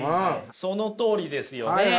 そのとおりですよね！